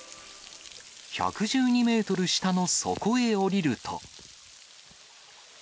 １１２メートル下の底へ下りると。